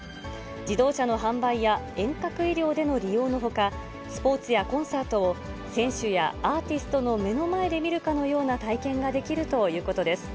自動車の販売や遠隔医療での利用のほか、スポーツやコンサートを選手やアーティストの目の前で見るかのような体験ができるということです。